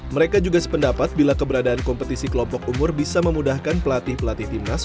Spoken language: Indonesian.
mereka juga sependapat bila keberadaan kompetisi kelompok umur bisa memudahkan pelatih pelatih timnas